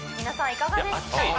いかがでしたか？